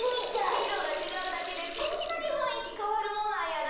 いろがちがうだけでこんなにふんいきかわるもんなんやな。